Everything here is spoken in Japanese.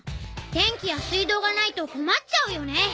電気や水道がないとこまっちゃうよね。